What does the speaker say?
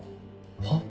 はっ？